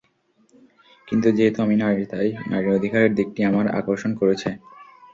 কিন্তু যেহেতু আমি নারী তাই নারীর অধিকারের দিকটি আমার আকর্ষণ করেছে।